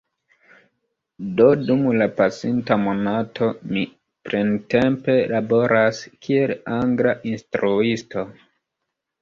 Do dum la pasinta monato mi plentempe laboras kiel angla instruisto